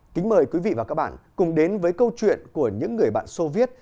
kính mời quý vị và các bạn cùng đến với câu chuyện của những người bạn soviet